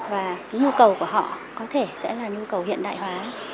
và cái nhu cầu của họ có thể sẽ là nhu cầu hiện đại hóa